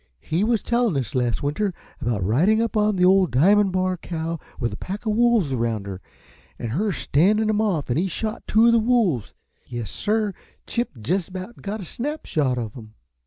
"He was tellin' us last winter about ridin' up on that ole Diamon' Bar cow with a pack uh wolves around her, an' her a standin' 'em off, an' he shot two uh the wolves. Yes, sir; Chip jest about got a snap shot of 'em."